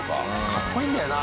かっこいいんだよな。